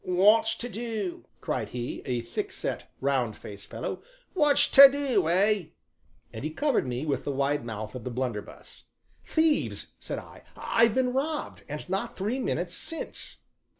"What's to do?" cried he, a thick set, round faced fellow, "what's to do, eh?" and he covered me with the wide mouth of the blunderbuss. "Thieves!" said I, "I've been robbed, and not three minutes since."